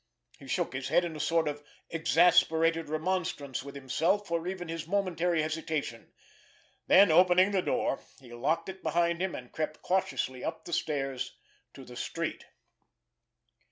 He shook his head in a sort of exasperated remonstrance with himself for even his momentary hesitation, then opening the door, he locked it behind him, and crept cautiously up the stairs to the street.